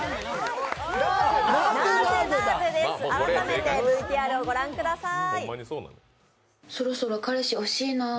改めて、ＶＴＲをご覧ください。